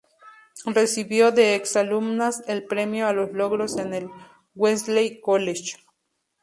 Recibió de ex-alumnas el premio a los logros en el Wellesley College.